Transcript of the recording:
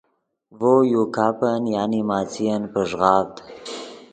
ڤؤ یو گپن (ماݯین) پݱغاڤد